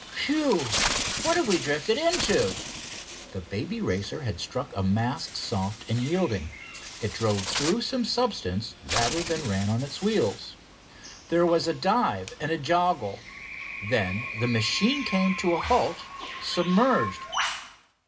Whew! What have we drifted into?" The Baby Racer had struck a mass soft and yielding. It drove through some substance rather than ran on its wheels. There was a dive and a joggle. Then the machine came to a halt submerged.